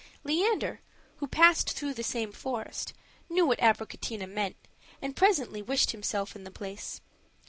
Leander, who passed through the same forest, knew what Abricotina meant, and presently wished himself in the place.